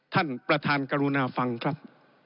ท่านประธานกรุณาฟังครับ